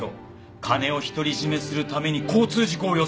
金を独り占めするために交通事故を装って。